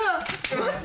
待って！